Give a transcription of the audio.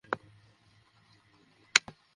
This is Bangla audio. জি হরিশচন্দ্রজি, জি আমরা সোম সরোবরে পৌঁছে গেছি।